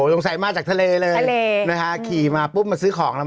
ลงใส่มาจากทะเลเลยทะเลนะคะขี่มาปุ๊บมาซื้อของละมั้ง